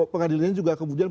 pengadilannya juga kemudian